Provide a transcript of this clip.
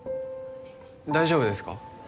大丈夫ですか？